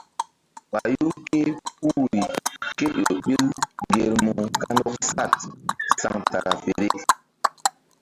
Ɓayu ké puhri ke ƴo ɓil ŋgermu kandɔk saɗ centrafirik.